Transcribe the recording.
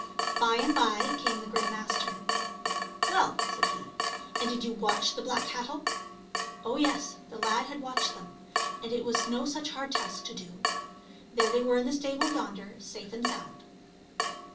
By and by came the Grey Master. "Well," said he, "and did you watch the black cattle?" Oh, yes, the lad had watched them, and it was no such hard task to do ; there they were in the stable yonder, safe and sound.